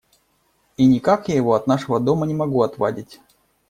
И никак я его от нашего дома не могу отвадить.